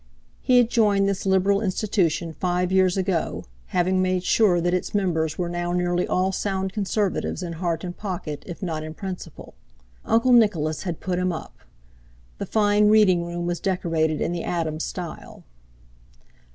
He had joined this Liberal institution five years ago, having made sure that its members were now nearly all sound Conservatives in heart and pocket, if not in principle. Uncle Nicholas had put him up. The fine reading room was decorated in the Adam style.